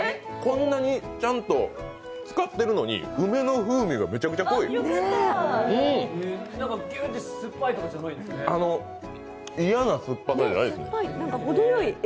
こんなにちゃんとつかってるのに梅の風味がめちゃくちゃ濃い。